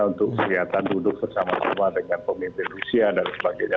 untuk kelihatan duduk bersama sama dengan pemimpin rusia dan sebagainya